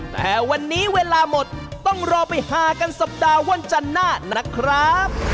แต่วันนี้เวลาหมดต้องรอไปหากันสัปดาห์วันจันทร์หน้านะครับ